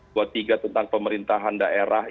dua puluh tiga tentang pemerintahan daerah